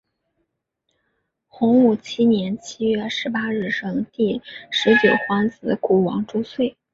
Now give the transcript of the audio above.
洪武七年七月十八日生第十九皇子谷王朱橞。